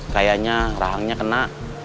kayaknya rahangnya kena